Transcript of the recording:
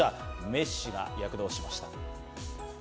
メッシが躍動しました。